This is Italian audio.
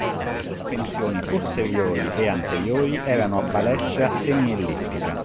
Le sospensioni posteriori e anteriori erano a balestra semiellittica.